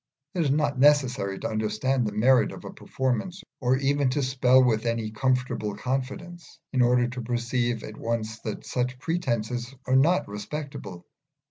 It is not necessary to understand the merit of a performance, or even to spell with any comfortable confidence, in order to perceive at once that such pretences are not respectable.